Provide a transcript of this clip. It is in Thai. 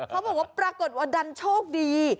เขาบอกว่าปรากฏว่าดันโชคดี